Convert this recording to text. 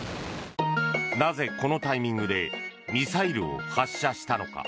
なぜ、このタイミングでミサイルを発射したのか。